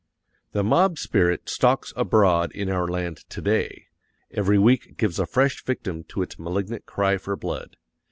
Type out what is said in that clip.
The mob spirit stalks abroad in our land today. Every week gives a fresh victim to its malignant cry for blood.